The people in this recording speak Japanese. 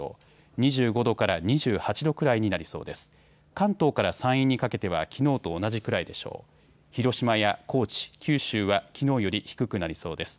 ２５度から２８度くらいになりそうです。